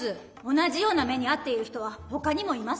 同じような目にあっている人はほかにもいます。